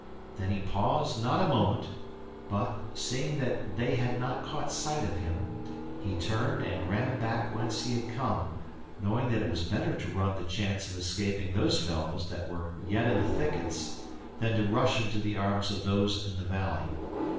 Then he paused not a moment, but, seeing that they had not caught sight of him, he turned and ran back whence he had come, knowing that it was better to run the chance of escaping those fellows that were yet in the thickets than to rush into the arms of those in the valley.